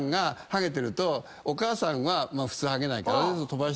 お母さんは普通ハゲないからね飛ばして。